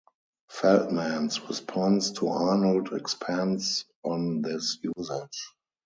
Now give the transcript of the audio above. Feldman's response to Arnold expands on this usage.